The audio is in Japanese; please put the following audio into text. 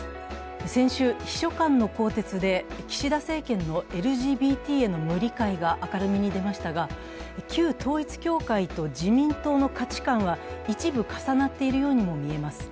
先週、秘書官の更迭で岸田政権のＬＧＢＴへの無理解が明るみに出ましたが旧統一教会と自民党の価値観は一部重なっているようにも見えます。